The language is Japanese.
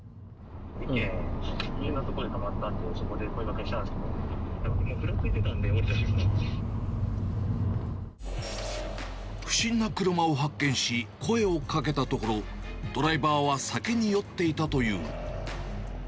１件止まったので、そこで声かけしたんですけど、もうふらついてたんで、不審な車を発見し、声をかけたところ、ドライバーは酒に酔っていたという。